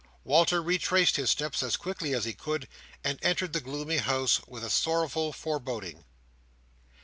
Walter retraced his steps as quickly as he could, and entered the gloomy house with a sorrowful foreboding.